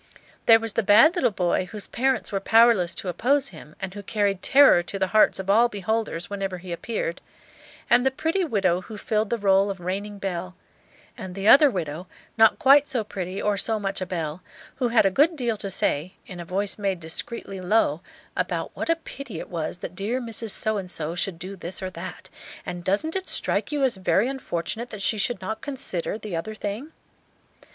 There was the bad little boy, whose parents were powerless to oppose him, and who carried terror to the hearts of all beholders whenever he appeared; and the pretty widow who filled the role of reigning belle; and the other widow, not quite so pretty or so much a belle, who had a good deal to say, in a voice made discreetly low, about what a pity it was that dear Mrs. So and so should do this or that, and "Doesn't it strike you as very unfortunate that she should not consider" the other thing?